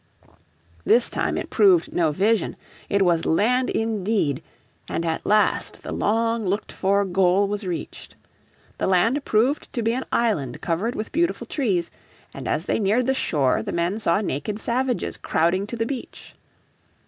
This time it proved no vision, it was land indeed; and at last the long looked for goal was reached. The land proved to be an island covered with beautiful trees, and as they neared the shore the men saw naked savages crowding to the beach.